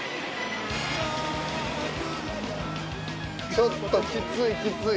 ちょっときついきつい。